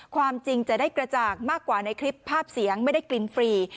ความจริงจะได้กระจ่างมากกว่าในคลิปภาพเสียงไม่ได้กลิ่นฟรี